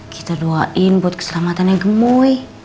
kita doain buat keselamatannya gemui